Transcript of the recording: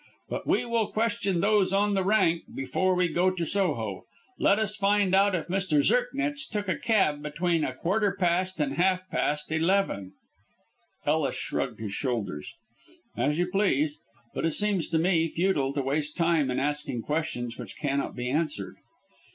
But we will question those on the rank before we go to Soho. Let us find out if Mr. Zirknitz took a cab between a quarter past and half past eleven." Ellis shrugged his shoulders. "As you please. But it seems to me futile to waste time in asking questions which cannot be answered."